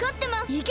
いけ！